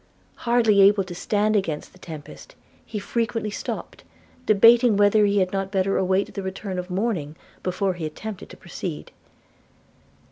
Hardly able to stand against the tempest, he frequently stopped, debating whether he had not better await the return of morning before he attempted to proceed.